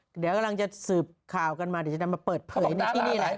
เดี๋ยวกำลังจะสืบข่าวกันมาเดี๋ยวจะนำมาเปิดเผยในที่นี่แหละ